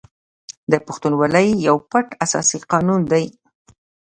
پښتونولي یو پټ اساسي قانون دی.